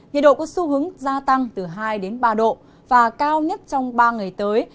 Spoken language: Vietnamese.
nhiệt độ có xu hướng gia tăng từ hai đến ba độ và cao nhất trong ba ngày tới